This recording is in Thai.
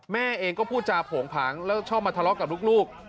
แม่เองก็พูดจาโผงผางแล้วชอบมาทะเลาะกับลูก